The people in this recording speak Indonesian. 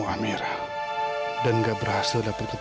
aku bisa mengingat masalah loku kembali